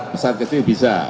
pesawat kecil bisa